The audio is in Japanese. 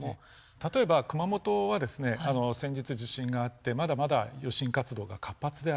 例えば熊本は先日地震があってまだまだ余震活動が活発である。